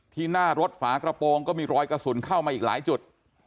หน้ารถฝากระโปรงก็มีรอยกระสุนเข้ามาอีกหลายจุด